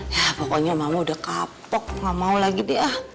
ya pokoknya mama udah kapok gak mau lagi deh